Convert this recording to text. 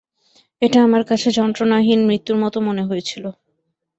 এটা আমার কাছে যন্ত্রনাহীন মৃত্যুর মতো মনে হয়েছিল।